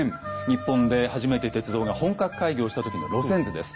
日本で初めて鉄道が本格開業した時の路線図です。